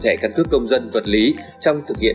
thẻ căn cước công dân vật lý trong thực hiện